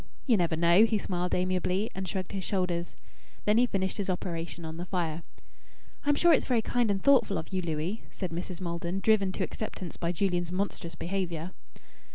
"You never know!" he smiled amiably, and shrugged his shoulders. Then he finished his operation on the fire. "I'm sure it's very kind and thoughtful of you, Louis," said Mrs. Maldon, driven to acceptance by Julian's monstrous behaviour.